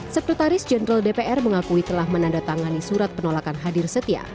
sekretaris jenderal dpr mengakui telah menandatangani surat penolakan hadir setia